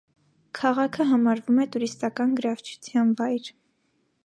Քաղաքը համարվում է տուրիստական գրավչության վայր։